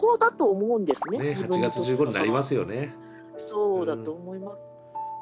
そうだと思います。